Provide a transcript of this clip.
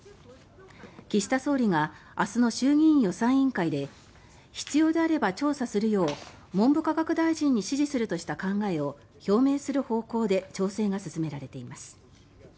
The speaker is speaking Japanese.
岸田総理が明日の衆議院予算委員会で必要であれば調査するよう文部科学大臣に指示するとした考えを表明する方向で調整が進められています。